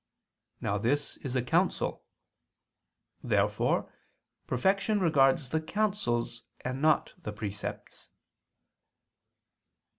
Now this is a counsel. Therefore perfection regards the counsels and not the precepts.